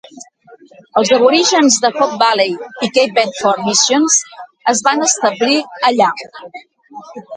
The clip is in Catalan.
Els aborígens de Hope Valley i Cape Bedford Missions es van establir allà.